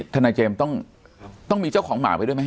ทนายเจมส์ต้องมีเจ้าของหมาไว้ด้วยไหม